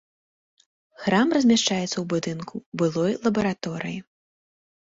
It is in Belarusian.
Храм размяшчаецца ў будынку былой лабараторыі.